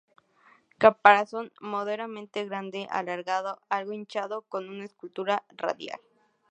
Caparazón moderadamente grande, alargado, algo hinchado con una escultura radial.